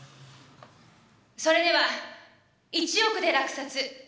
それでは１億で落札。